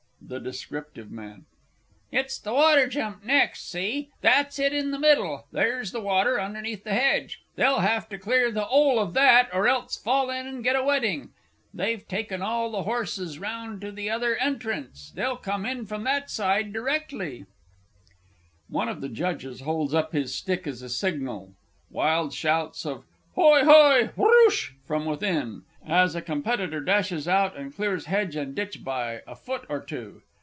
THE DESCRIPTIVE MAN. It's the water jump next see; that's it in the middle; there's the water, underneath the hedge; they'll have to clear the 'ole of that or else fall in and get a wetting. They've taken all the horses round to the other entrance they'll come in from that side directly. [Illustration: "HE EXPECTED THERE WOULD HAVE BEEN MORE TO SEE."] [_One of the Judges holds up his stick as a signal; wild shouts of "Hoy hoy! Whorr oosh!" from within, as a Competitor dashes out and clears hedge and ditch by a foot or two.